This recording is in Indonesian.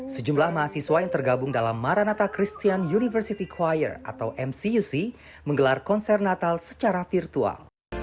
sejumlah mahasiswa yang tergabung dalam marahnata christian university choir atau mcuc menggelar konser natal secara virtual